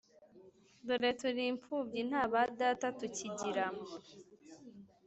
Dore turi impfubyi nta ba data tukigira,